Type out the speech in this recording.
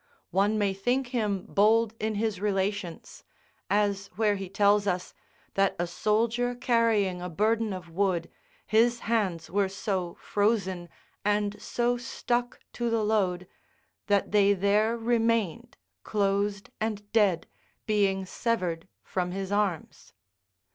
One may think him bold in his relations; as where he tells us, that a soldier carrying a burden of wood, his hands were so frozen and so stuck to the load that they there remained closed and dead, being severed from his arms.